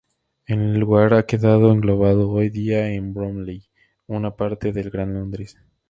El lugar ha quedado englobado hoy día en Bromley, una parte del Gran Londres.